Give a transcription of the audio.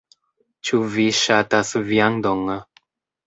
Ĉu vi ŝatas viandon?